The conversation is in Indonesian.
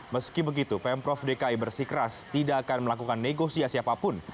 meski begitu pemprov dki bersikeras tidak akan melakukan negosiasi apapun